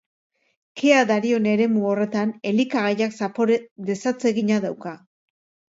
Kea darion eremu horretan, elikagaiak zapore desatsegina dauka.